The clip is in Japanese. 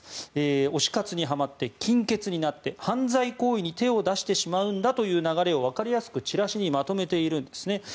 推し活にはまって金欠になって犯罪行為に手を出してしまうんだという流れをわかりやすくチラシにまとめているんです。